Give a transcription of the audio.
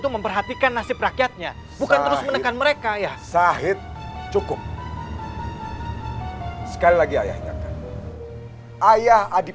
seperti inilah keadaan negeri ini